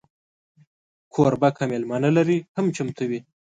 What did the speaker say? کوربه که میلمه نه لري، هم چمتو وي.